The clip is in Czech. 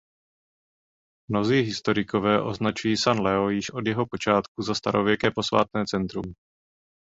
Mnozí historikové označují San Leo již od jeho počátků za starověké posvátné centrum.